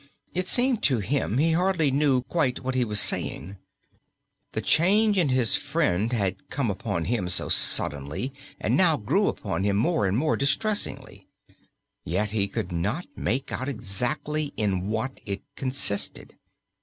It seemed to him he hardly knew quite what he was saying; the change in his friend had come upon him so suddenly and now grew upon him more and more distressingly. Yet he could not make out exactly in what it consisted.